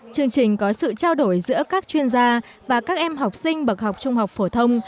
chương trình có sự trao đổi giữa các chuyên gia và các em học sinh bậc học trung học phổ thông